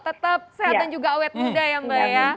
tetap sehat dan juga awet muda ya mbak ya